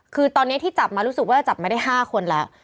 คือตอนนี้ที่จับมารู้สึกว่าจับมาได้๕คนแล้ว